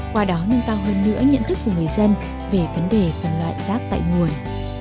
qua đó nâng cao hơn nữa nhận thức của người dân về vấn đề phân loại rác tại nguồn